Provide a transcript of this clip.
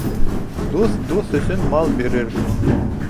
Дуҫ дуҫ өсөн мал бирер